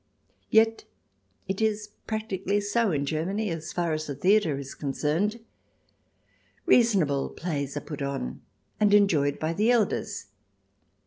Yet it is practically so in Germany as far as the theatre is concerned. Reasonable plays are put on and enjoyed by the elders.